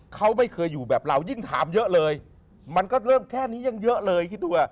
เขาไม่เคยอยู่แบบเรายิ่งถามเยอะเลยมันก็เริ่มแค่นี้ยังเยอะเลยคิดดูอ่ะ